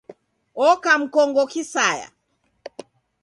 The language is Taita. Oka mkongo kisaya